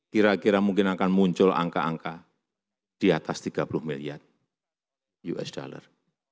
kira kira mungkin akan muncul angka angka di atas tiga puluh million us dollar